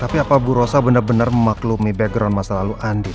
tapi apa bu rosa benar benar memaklumi background masa lalu andi